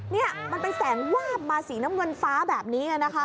นี่มันไปแสงวาบมาสีน้ำเงินฟ้า